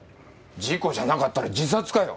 事故じゃなかったら自殺かよ？